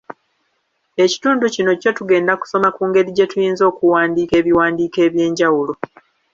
Ekitundu kino kyo tugenda kusoma ku ngeri gye tuyinza okuwandiika ebiwandiiko eby’enjawulo.